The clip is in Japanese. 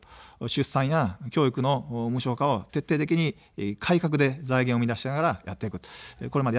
出産や教育の無償化を徹底的に改革で財源を生み出しながらやってきました。